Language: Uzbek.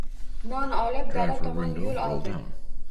Non olib, dala tomon yoʻl oldi.